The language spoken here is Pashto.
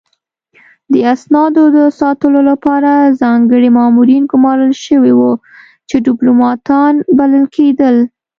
د اسنادو د ساتلو لپاره ځانګړي مامورین ګمارل شوي وو چې ډیپلوماتان بلل کېدل